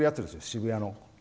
渋谷の。